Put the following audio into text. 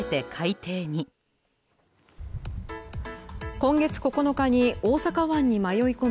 今月９日に大阪湾に迷い込み